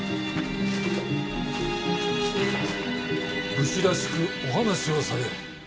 武士らしくお話をされよ。